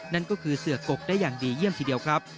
นั่นก็คือเสือกกได้อย่างดีเยี่ยมทีเดียวครับ